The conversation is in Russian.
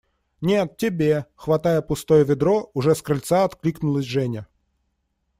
– Нет, тебе! – хватая пустое ведро, уже с крыльца откликнулась Женя.